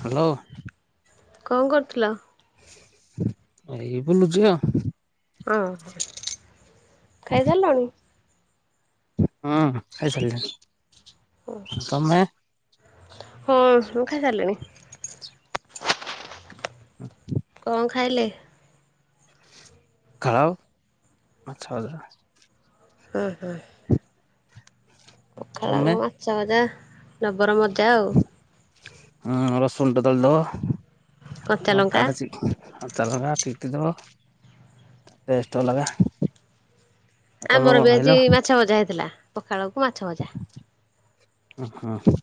Hello. କଣ କରୁଥିଲ? ଏଇ ବୁଲୁଛି ଆଉ। ଅଁ ଖାଇ ସାରିଲଣି? ଉଁ ଖାଇସାରିଲିଣି। ଆଉ ତମେ? ହଁ, ମୁଁ ଖାଇ ସାରିଲିଣି। ଉଁ। କଣ ଖାଇଲେ? ପଖାଳ, ମାଛ ଭଜା। ଉଁ ହୁଁ। ତମେ ପଖାଳକୁ ମାଛ ଭଜା, ଜବର ମଜା ଆଉ। ଅଁ ରସୁନ ଟେ ଦଳ ଦବ, ଲଙ୍କା ଟେ ଚିପ୍, କଞ୍ଚାଲଙ୍କା ଚିକ୍ ତିଲ, ଟେଷ୍ଟ ଅଲଗା। ଆଉ ତମେ ଆମର କଣ ବି ଖାଇଲ ଆଜି ମାଛ ଭଜା ହେଇଥିଲା। ପଖାଳକୁ ମାଛ ଭଜା। ଉଁ ହୁଁ।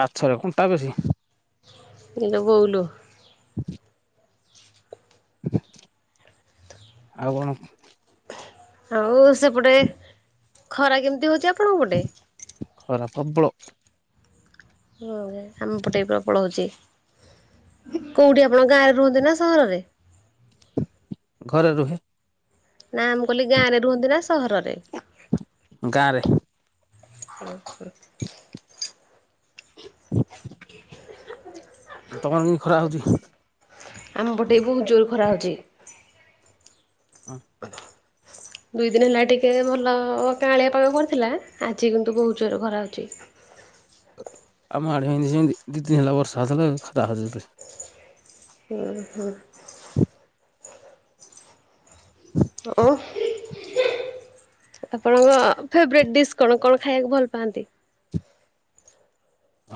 ମାଛରେ କଣ୍ଟା ବେଶି। ଇଲୋ ବୋଉ ଲୋ। ଆଉ କଣ? ଆଉ ସେପଟେ ଖରା କେମିତି ହଉଚି ଆପଣଙ୍କ ପଟେ? ଖରା ପବଳ। ହଁ ଭେ ଆମ ପଟେ ପ୍ରବଳ ହଉଚି। କୋଉଠି ଆପଣଙ୍କ ଗାଁରେ ରୁହନ୍ତି ନା, ସହରରେ? ଘରେ ରୁହେ। ନା, ମୁଁ କଇଲି ଗାଁରେ ରୁହନ୍ତି ନା ସହରରେ? ଗାଁରେ। ଉଁ ହୁଁ। [inaudible] ତମର ବି ଖରା ହଉଚି? ଆମ ପଟେ ବହୁତ ଜୋର ଖରା ହଉଚି। ହ, ହ। ଦୁଇ ଦିନ ହେଲା ଟିକେ ଭଲ ଅ କାଁଳିଆ ପାଗ କରିଥିଲା। ଆଜି କିନ୍ତୁ ବହୁତ ଜୋରରେଖରା ହଉଚି। ଆମ ଆଡେ ଏମିତି ସେମିତି ଦିଇ ଦିନ ହେଲା ବର୍ଷା ହେଉଥିଲା ଏବେ ଖରା ହଉଚି। [unintelligible] ହୁଁ ହୁଁ। ହ ଓ ଆପଣଙ୍କ ଫେବ୍ରାଇଟ୍ ଡିସ୍ କଣ। କଣ ଖାଇବାକୁ ଭଲ ପାଆନ୍ତି?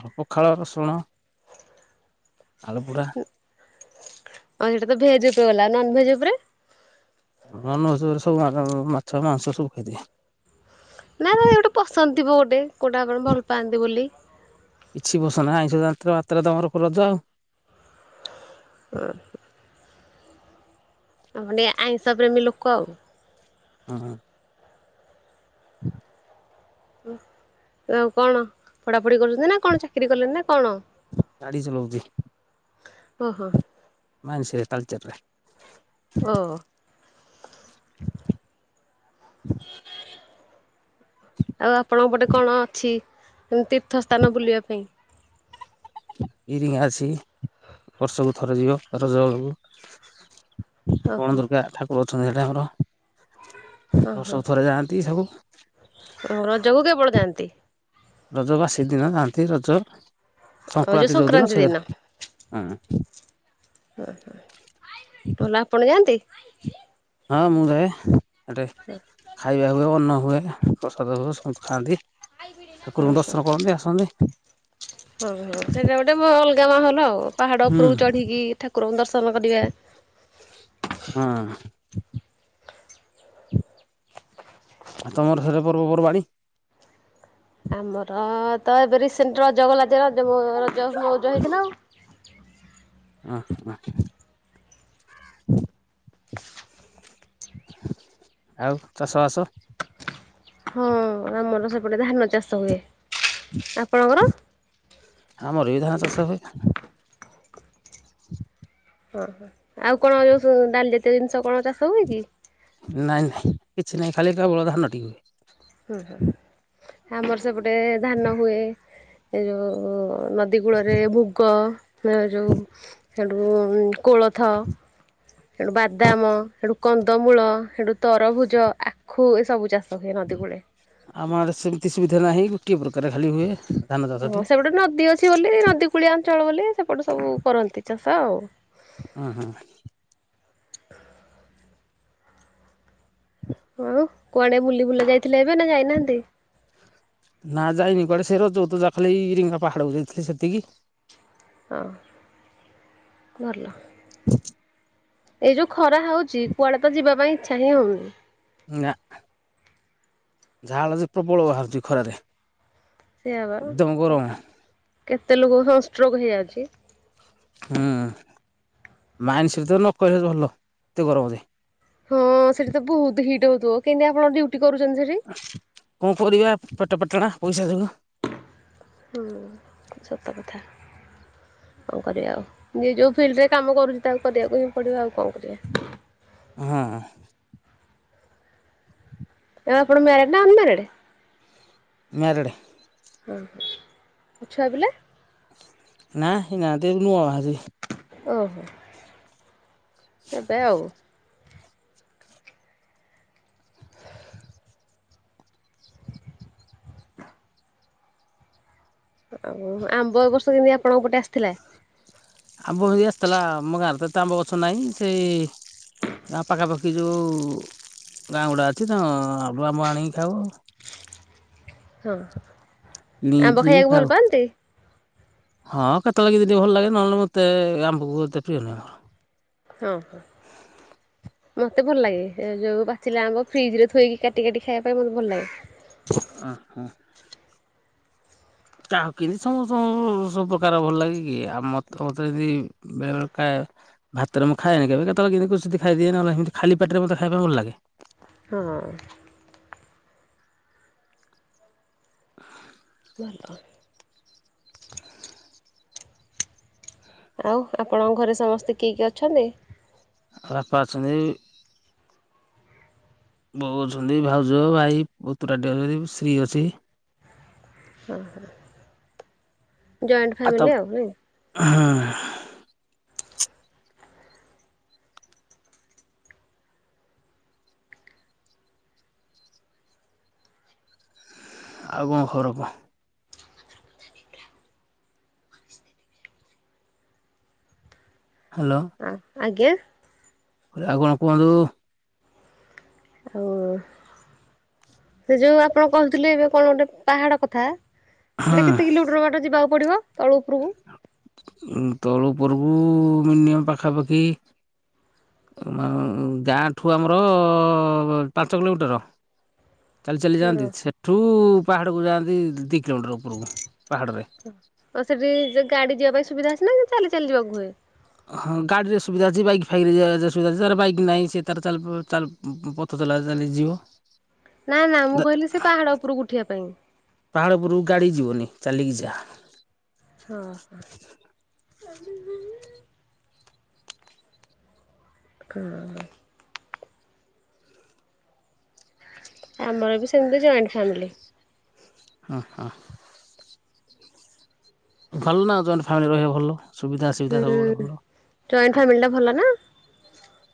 ହ ପଖାଳ ରସୁଣ। ଆଲୁ ପୋଡ଼ା। ଆଁ ସେଇଟା ତ ଭେଜ୍ ଉପରେ ଗଲା ଆଉ ନନଭେଜ୍ ଉପରେ? ହ ନନ [unintelligible] ମୁଁ ସବୁ ମାଛ ମାଂସ ସବୁ ଖାଇଦିଏ। ନା ନା ଏ ଗୋଟେ ପସନ୍ଦ ଥିବ ଗୋଟେ କେଉଁଟା ଆପଣ ଭଲ ପାଆନ୍ତି ବୋଲି? କିଛି ପସନ୍ଦ ନାଇଁ ଆଇଁଷ [unintelligible] ମାତ୍ରେ ତ ଆମର ରଜ ଆଉ। ଓହୋ। ହଁ ମାନେ ଆଇଁଷ ପ୍ରେମୀ ଲୋକ ଆଉ। ହଁ ହଁ। ଉଁ ଆଉ କଣ ପଢ଼ାପ୍ ପଢ଼ି କରୁଛନ୍ତି ନା, କଣ ଚାକିରି କଲେଣି, ନା କଣ ଗାଡି ଚଲଉଛି ଓହୋ। ମାଇଁସ୍ ରେ ତାଲଚେରରେ। ଓ। ହୁଁ ଆଉ ଆପଣଙ୍କ ପଟେ କଣ ଅଛି? ତୀର୍ଥସ୍ଥାନ ବୁଲିବା ପାଇଁ। ଇରିଙ୍ଗା ଅଛି ବର୍ଷକୁ ଥରେ ଯିବ ରଜ ବେଳକୁ। ବଣ ଦୁର୍ଗା ଠାକୁର ଅଛନ୍ତି ହେଇଠେ ଆମର। ଓହୋ ବର୍ଷକୁ ଥରେ ଯାଆନ୍ତି ସବୁ ରଜକୁ କେବଳ ଯାଆନ୍ତି? ରଜ ବାସି ଦିନ ଯାଆନ୍ତି ରଜ ସଂକ୍ରାନ୍ତି ଯୋଉ ଦିନ ସେଦିନ ହଁ। ଟୋଲ୍ ଆପଣ ଯାଆନ୍ତି? ହଁ ମୁଁ ଯାଏ ଏଠେ ଖାଇବା ହୁଏ ଅନ୍ନ ହୁଏ ପ୍ରସାଦ ହୁଏ ସମତେ ଖାଆନ୍ତି। ଠାକୁରଙ୍କୁ ଦର୍ଶନ କରନ୍ତି ଆସନ୍ତି। ଓହୋ ସେଇଟା ଗୋଟେ ମହଲ୍ ଗାଁ ମହଲ ଆଉ ପାହାଡ ହୁଁ ଉପରକୁ ଚଢିକି ଠାକୁରଙ୍କୁ ଦର୍ଶନ କରିବା। ହ ଆଉ ତମର ହେରେ ପର୍ବପର୍ବାଣୀ? ଆମର ତ ଏବେ ରିସେଣ୍ଟେ ରଜ ଗଲା ଯେ ରଜ ମୋ ରଜ ମୋଉଜ ହେଇଥିଲା ଆଉ। ଉଁ ହୁଁ [unintelligible] ଆଉ ଚାଷ ବାସ? ହଁ ଆମର ସେପଟେ ଧାନ ଚାଷ ହୁଏ ଆ ଆମର ବି ଧାନ ଚାଷ ହୁଏ। ହ ଓହୋ ଆଉ କଣ ଯୋଉ ସବୁ ଡାଲି ଜାତୀୟ ଜିନିଷ କଣ ଚା ନାଇଁ ନାଇଁ କିଛି ନାଇଁ ଖାଲି କେବଳ ଧାନ ଟି ହୁଏ। ହୁଁ ହୁଁ ଆମର ସେପଟେ ଧାନ ହୁଏ ଏ ଯୋଉ ନ ଦି କୂଳରେ ମୁଗ ଯୋଉ ହେଠୁ କୋଳଥ। ହେଠୁ ବାଦାମ ହେଠୁ କନ୍ଦମୂଳ ହେଠୁ ତରଭୁଜ ଆଖୁ ଏ ସବୁ ଚାଷ ହୁଏ। ନଦୀ କୂଳେ। ଆମ ଆଡେ ସେମିତି ସୁବିଧା ନାହିଁ ଗୋଟିଏ ପ୍ର ହଁ ସେ ଗୋଟେ ନଦୀ ଅଛି ବୋଲି ନଦୀ କୂଳିଆ ଅଞ୍ଚଳ ବୋଲି ସେପଟ ସବୁ କରନ୍ତି ଚାଷ ଆଉ। ଅଁ ହଁ। ଆଉ କୁଆଡେ ବୁଲି ବୁଲା ଯାଇଥିଲେ ଏବେ ନା ଯାଇନାହାନ୍ତି? ଯେ ରଜ କୁ ଯା ଯାଇଥିଲି ଇରିଙ୍ଗା ପାହାଡକୁ ଯାଇଥିଲି ସେତିକି। ଆଁ ଭଲ। [inaudible] ଏଯୋଉ ଖରା ହଉଛି କୁଆଡେ ତ ଯିବା ପାଇଁ ଇଚ୍ଛା ହିଁ ହଉନି। ନା ଝାଳ ଯେ ପ୍ରବଳ ବାହାରୁଛି ଖରାରେ। ସେଇଆ ବା ଏକଦମ ଗରମ କେତେ ଲୋକଙ୍କୁ ସଂଷ୍ଟ୍ରୋକ୍ ହେଇଯାଉଛି। ହୁଁ ମାଇନ୍ସରେ ତ ନ କହିଲେ ଭଲ ଏତେ ଗରମ ଯେ। ହଁ ସେଠି ତ ବହୁତ ହିଟ୍ ହୋଉଥିବ କେନ୍ତି ଆପଣ ଡ୍ୟୁଟି କରୁଛନ୍ତି ସେଠି। ପରିବା ପେଟପେଟଣା ପଇସା ଯୋଗୁ। ହୁଁ ସତ କଥା। କଣ କରିବା ଆଉ ଯିଏ ଯୋଉ ଫିଲ୍ଡରେ କାମ କରୁଛି ତାକୁ କରିବାକୁ ହଁ ପଡିବ ଆଉ କଣ କରିବା। ହଁ। ଆଉ ଆପଣ ମ୍ୟାରେଡ୍ ନା ଅନ ମ୍ୟାରେଡ୍? ମ୍ୟାରେଡ୍। ଛୁଆପିଲା? ନା ହେଇ ନାହାନ୍ତି ନୂଆ ବାହା ହେଇଚି। ଓଃ ଏବେ ଆଉ। [inaudible] ଆଉ ଆମ୍ବ ଏ ବର୍ଷ ଆପଣଙ୍କ ପଟେ ଆସିଥିଲା? ଆମ୍ବ ଯୋଉ ଆସିଥିଲା ଆମ ଗାଁରେ ତ ଏତେ ଆମ୍ବ ଗଛ ନାହିଁ ସେ ଗାଁ ପାଖାପାଖି ଯୋଉ ଗାଁ ଗୁଡ଼ା ଅଛି ତ ତାକୁ ଆମ୍ୱ ଆଣିକି ଖାଉ। ହଁ ହଁ ଆମ୍ବ କିଣିକି ଖାଇବାକୁ ଖାଉ ଭଲ ପାଆନ୍ତି। ହଁ କେତେବେଳେ କେମିତି ଯଦି ଭଲ ଲାଗେ ନହେଲେ ମତେ ଆମ୍ବକୁ ଏତେ ପ୍ରିୟ ନୁହଁ। ହଁ ହଁ। ମତେ ଭଲ ଲାଗେ ଯୋଉ ପାଚିଲା ଆମ୍ୱ ଫ୍ରିଜରେ ଥୋଇକି କାଟି କାଟି ଖାଇବାପାଇଁ ମତେ ଭଲ ଲାଗେ। ଓ ହୋ। କାହାକୁ କେମିତି ସମସ୍ତଙ୍କୁ ସବୁ ପ୍ରକାର ଭଲ ଲାଗେ କି ଆଉ ମତେ ମତେ ଯଦି ବେଳ କାଏ ଭାତରେ ମୁଁ ଖାଏନି କେବେ କେତେବେଳେ କେମତିି କୋଚିତି ଖାଇଦିଏ ନହେଲେ ସେମିତି ଖାଲି ପାଟିରେ ମତେ ଖାଇବା ପାଇଁ ଭଲ ଲାଗେ। ହଁ। ଭଲ। ଆଉ ଆପଣଙ୍କ ଘରେ ସମସ୍ତେ କିଏ କିଏ ଅଛନ୍ତି? ବାପା ଅଛନ୍ତି। ବୋଉ ଅଛନ୍ତି ଭାଉଜ ଭାଇ ପୁତରାଟେ ଅଛି ସ୍ତ୍ରୀ ଅଛି। ଓ ହୋ। ଜଏଣ୍ଟ ଫ୍ୟାମିଲି ଆଉ ନାଇଁ। ହଁ ହଁ। ଆଉ କଣ ଖବର କଣ କୁହ? ହ୍ୟାଲୋ। ଆ ଆଜ୍ଞା। ଆଉ କଣ କୁହନ୍ତୁ? ଆଉ ସେ ଯୋଉ ଆପଣ କହୁଥିଲେ ଏବେ କଣ ଗୋଟେ ପାହାଡ କଥା। ସେଇଟା କେତେ କିଲୋମିଟର ଯିବାକୁ ପଡିବ? ତଳୁ ଉପରକୁ? ତଳୁ ଉପରକୁୁ ମିନିି ମମ୍ ପାଖାପାଖି ଅ ଗାଁଠୁ ଆମର ଅ ପାଞ୍ଚ କିଲୋମିଟର। ଚାଲି ଚାଲି ହଁ ଯାଆନ୍ତି ସେଠୁ ପାହାଡକୁ ଯାଆନ୍ତି ଦି ଦି କିଲୋମିଟର ଉପରକୁ ପାହାଡ଼ରେ। ଆଉ ସେଠି ଗାଡି ଯିବା ପାଇଁ ସୁବିଧା ଅଛି ନା ଚାଲି ଚାଲି ଯିବାକୁ ହୁଏ? ହଁ ଗାଡିର ସୁବିଧା ଅଛି ବାଇକ୍ ଫାଇକ ଏ ସୁବିଧା ଅଛି ଯାର ବାଇକ ନାହିଁ ସେ ତାର ଚାଲି ପ ଚଲା ଚାଲି ଯିବ। ନା ନା ମୁଁ କହିଲି ସେ ପାହାଡ ଉପରକୁ ଉଠିବା ପାଇଁ। ଗାଡି ଯିବନି ଚାଲିକି ଯାଆ। ହଁ ହୁଁ ହୁଁ। କ ଆମର ବି ସେମିତି ଜଏଣ୍ଟ ଫ୍ୟାମିଲି। ହଁ ହଁ। ଭଲ ନା ଜଏଣ୍ଟ ଫ୍ୟାମିଲି ରହିବ ଭଲ ସୁବିଧା ଅସୁବିଧା ସବୁବେଳେ ହୁଁ। ଭଲ। ଜଏଣ୍ଟ ଫ୍ୟାମିଲି ଟା ଭଲ ନା।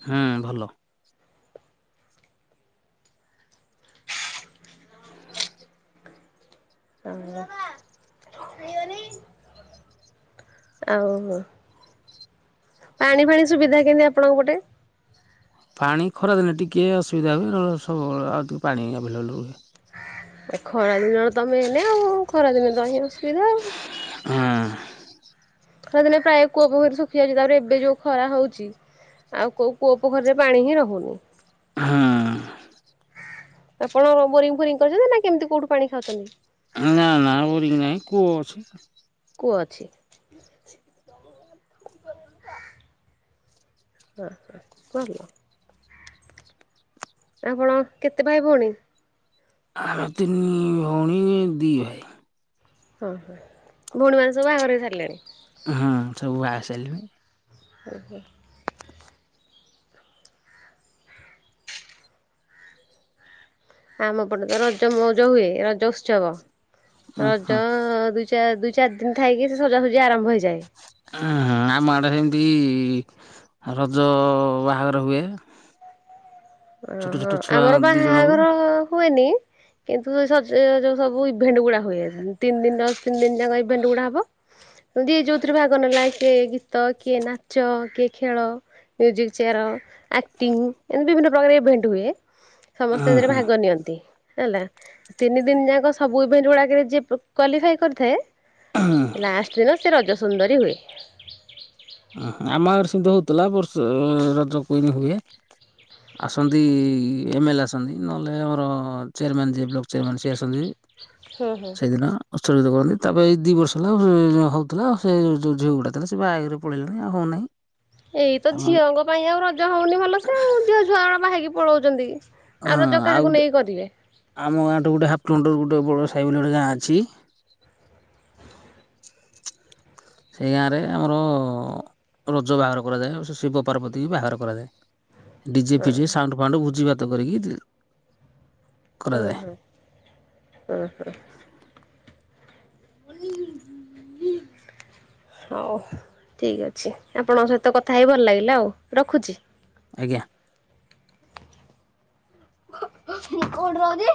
ହଁ ଭଲ। ହଁ ହଁ। ଆଉ ଉ ପାଣି ଫାଣି ସୁବିଧା କେମିତି ଆପଣଙ୍କ ପଟେ? ପାଣି ଖରାଦିନେ ଟିକେ ଅସୁବିଧା ହୁଏ ନ ହେଲେ ସବୁବେଳେ ଆଉ ତ ପାଣି ଆଭେଲେବୁଲ୍‌ ହୁଏ। ଆ ଖରା ଦିନ ତ ମେନ୍‌ ଆଉ ଖରା ଦିନେ ତ ଏଇ ଅସୁବିଧା ଆଉ। ହଁ । ଖରା ଦିନେ ପ୍ରାୟ କୂଅ ପୋଖରୀ ଶୁଖି ଯାଉଛି ତାପରେ ଏବେ ଯୋଉ ଖରା ହଉଛି। ଆଉ କୋଉ କୂଅ ପୋଖରୀରେ ପାଣି ହିଁ ରହୁନି। ହଁ । ଆପଣଙ୍କ ର ବୋରିଙ୍ଗ ଫୋରିଂ କରିଛନ୍ତି ନା କେମିତି କୋଉଠୁ ପାଣି ଖାଉଛନ୍ତି। ହୁଁ ନାଁ ନାଁ ବୋରିଂ ନାଇ କୂଅ ଅଛି। କୂଅ ଅଛି [inaudible] ହଁ ଭଲ ଆପଣ କେତେ ଭାଇ ଭଉଣୀ? ଆ ତିନି ଭଉଣୀ ଦିଇ ଭାଈ। ହଁ ହଁ ଭଉଣୀ ମାନେ ସବୁ ବାହାଘର ହେଇ ସାରିଲେଣି? ହଁ ଅଁ ସବୁ ବାହାହେଇ ସାଇଲେଣି? ଓ ହୋଅ। ଆମ ପଟେ ତ ରଜ ମୌଜ ହୁଏ ରଜ ଉତ୍ସବ। ହଁ ରଜ ହଁ ଅ ଅ ଦୁଇ ଚା ଚାର୍ ଦୁଇ ଚାରି ଦିନ୍‌ ଥାଇକି ସଜାସଜି ଆରମ୍ଭ ହେଇଯାଏ। ଆଁ ହାଁ ଆମ ଆଡ଼େ ସେମିତି ଇ ଇ ରଜ ଅ ଅ ବାହାଘର ହୁଏ। [unintelligible] ଓ ଛୋଟ ହୋ ଛୋଟ ଛୁଆ ଆମର ଦି ବାହା ଜଣଙ୍କୁ। ଘର ହୁଏନି କିନ୍ତୁ ଯୋଉ ସବୁ ଇଭେଣ୍ଟ ଗୁଡା ହୁଏ ତିନି ଦିନ ତିନ୍‌ ଦିନ ଯାକ ଇଭେଣ୍ଟ ଗୁଡା ହବ ଯେମିତି ଯୋଉଥିରେ ଭାଗ ନେଲା କିଏ କି ତ କିଏ ନାଚ କିଏ ଖେଳ ମିଉଜିକ୍ ଚିଆର ଆକ୍ଟିଙ୍ଗି ଏମିତି ବିଭିନ୍ନ ପ୍ରାୟ ଇଭେଣ୍ଟ ହୁଏ ସମସ୍ତେ ହଁ ସେଥିରେ ହଁ ଭାଗ ନିଅନ୍ତି। ହେଲା ତିନି ଦିନ ଯାଙ୍କ ସବୁ ଇଭେଣ୍ଟ ଗୁଡାକରେ ଯେ କ୍ୱାଲିଫାଏ କରିଥାଏ। ଲାଷ୍ଟ ଦୀନ ସେ ରଜ ସୁନ୍ଦରୀ ହୁଏ। ଏମିତି ହଉଥିଲା ବର୍ଷେ ଏ ଏ ରଜ କୁଇନ୍‌ ହୁଏ। ଆସନ୍ତି ଏମଏଲ୍‌ ଆସନ୍ତି ନହେଲେ ଆମର ର ର ଚେୟାରମ୍ୟାନ୍ ଯିଏ ବ୍ଲକ୍ ଚାରୀମାନେ ‌ସିଏ ଆସନ୍ତି। ହୁଁ ହୁଁ। ସେଇଦୀନ ଉତ୍ସର୍ଗିତ କରନ୍ତି ତାପରେ ଏଇ ଦି ବର୍ଷ ହେଲା ଉ ଉ ହଉଥିଲା ସେ ଯୋଉ ଝିଅଗୁଡ଼ା ଥିଲେ ସେ ବାହା ହେଇଗଲେ। ପଳେଇ ଲେଣି ଆଉ ହୋଉନାହିଁ। ଏଇତ ଝିଅଙ୍କ ପାଇଁ ଆଉ ରଜ ହଉନି ଭଲ ସେ ଝିଅ ଝୁଆ ବାହାହେଇକି ପଳୋଉଚନ୍ତି। ହଁ ଆଉ ଗୋଟେ ଏ ଆମ ଗାଁ ଠୁଁ ଗୋଟେ ହାପ୍କିଲୋମିଟର ରୁ। ବୋଉଳ ସାହି ବୋଲି ଗୋଟେ ଗାଁ ଅଛି। ସେଇ ଗାଁରେ ଆମର ର ଅ ରଜ ବାହାଘର କରାଯାଏ ଆଉ ସେ ଶିବ ପାର୍ବତୀ କି ବି ବାହାଘର କରାଯାଏ। ଡିଜେ ଫିଜେ ସାଉଣ୍ଡ ଫାଉଣ୍ଡ ଭୋଜୀ ଭାତ କରିକି ଇ ଇ ଓ ହୋ ଓ ହୋ। [inaudible] ହଉ ଠିକ ଅଛି ଆପଣଙ୍କ ସହିତ କଥା ହେଇ ଭଲ ଲାଗିଲା ଆଉ ରଖୁଛି। ଆଜ୍ଞା। ମୁଁ କୋଉଠି ରହୁଛି।